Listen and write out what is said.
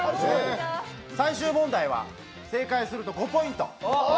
最終問題は正解すると５ポイント。